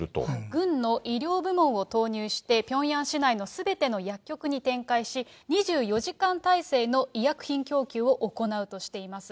軍の医療部門を投入して、ピョンヤン市内のすべての薬局に展開し、２４時間体制の医薬品供給を行うとしています。